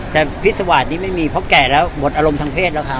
แต่พิษวาสนี้ไม่มีเพราะแก่แล้วหมดอารมณ์ทางเพศแล้วครับ